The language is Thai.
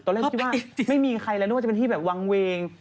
ตอนแรกก็คิดว่าไม่มีใครแล้วว่าจะเป็นที่วางเวง